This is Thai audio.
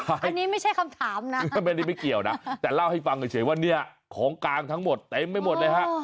อันนี้ไม่ใช่คำถามนะไม่ได้ไม่เกี่ยวนะแต่เล่าให้ฟังเฉยว่าเนี่ยของกลางทั้งหมดเต็มไปหมดเลยฮะ